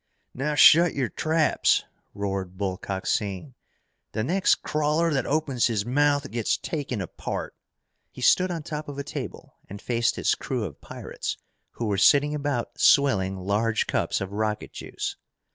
"Now shut your traps!" roared Bull Coxine. "The next crawler that opens his mouth gets taken apart!" He stood on top of a table and faced his crew of pirates who were sitting about swilling large cups of rocket juice.